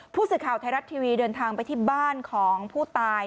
ผู้สื่อข่าวไทยรัฐทีวีเดินทางไปที่บ้านของผู้ตาย